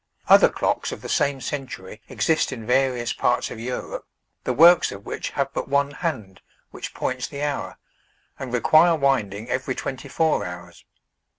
Other clocks of the same century exist in various parts of Europe, the works of which have but one hand, which points the hour, and require winding every twenty four hours.